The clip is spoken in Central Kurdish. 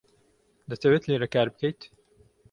دەتەوێت لێرە کار بکەیت؟